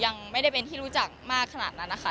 ยังไม่ได้เป็นที่รู้จักมากขนาดนั้นนะคะ